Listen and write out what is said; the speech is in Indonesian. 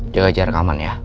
jaga jarak aman ya